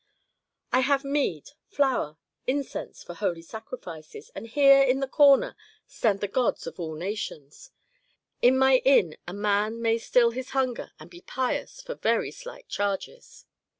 I have mead, flour, incense for holy sacrifices, and here, in the corner, stand the gods of all nations. In my inn a man may still his hunger and be pious for very slight charges."